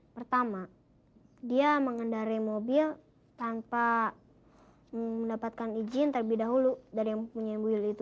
pertama dia mengendari mobil tanpa mendapatkan izin terlebih dahulu dari yang punya mobil itu